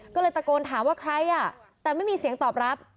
ก็เลยตะโกนถามว่าใครอ่ะแต่ไม่มีเสียงตอบรับ